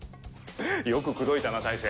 よく口説いたな大成。